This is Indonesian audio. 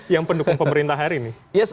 yang pendukung pemerintah hari ini